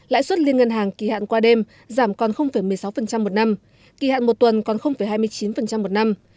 lãi suất liên ngân hàng kỳ hạn qua đêm giảm còn một mươi sáu một năm kỳ hạn một tuần còn hai mươi chín một năm